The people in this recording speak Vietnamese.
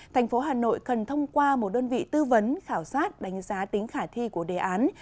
thành phố hà nội cần thông qua một đơn vị tư vấn khảo sát đánh giá tính khả thi của đề án